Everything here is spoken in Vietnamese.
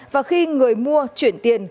và khi người mua chuyển tiền